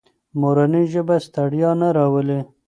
مورنۍ ژبه ستړیا نه راولي.